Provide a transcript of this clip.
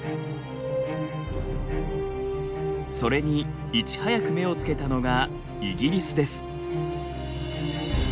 それにいち早く目をつけたのがイギリスです。